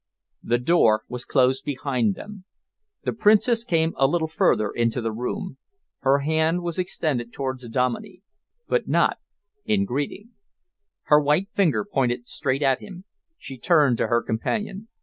The door was closed behind them. The Princess came a little further into the room. Her hand was extended towards Dominey, but not in greeting. Her white finger pointed straight at him. She turned to her companion.